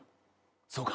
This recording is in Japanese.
そうか。